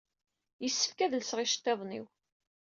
Yessefk ad lseɣ iceṭṭiḍen-iw.